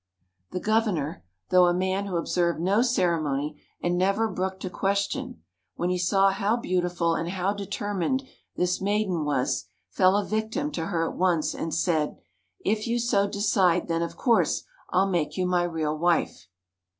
The Governor, though a man who observed no ceremony and never brooked a question, when he saw how beautiful and how determined this maiden was, fell a victim to her at once, and said, "If you so decide, then, of course, I'll make you my real wife."